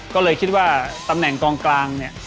ก็เลยคิดว่าตำแหน่งกลาง